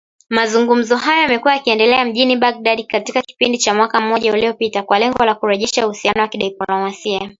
Mazungumzo hayo yamekuwa yakiendelea mjini Baghdad katika kipindi cha mwaka mmoja uliopita kwa lengo la kurejesha uhusiano wa kidiplomasia